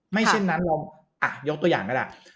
เช่นนั้นเรายกตัวอย่างก็ได้